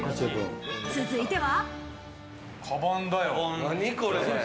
続いては。